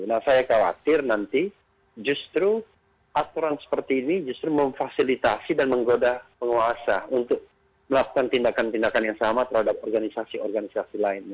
nah saya khawatir nanti justru aturan seperti ini justru memfasilitasi dan menggoda penguasa untuk melakukan tindakan tindakan yang sama terhadap organisasi organisasi lainnya